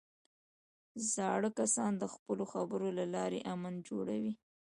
زاړه کسان د خپلو خبرو له لارې امن جوړوي